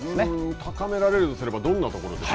高められるとすればどんなところですか。